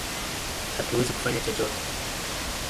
Hatuwezi kufanya chochote!